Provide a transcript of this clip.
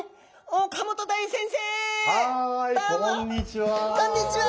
はいこんにちは！